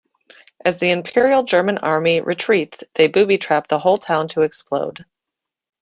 As the Imperial German Army retreats they booby trap the whole town to explode.